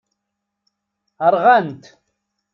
Rɣant.